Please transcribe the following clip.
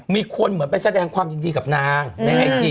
มีคนเหมือนไปแสดงความยินดีกับนางในไอจี